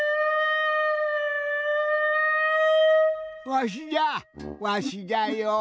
わしじゃわしじゃよ。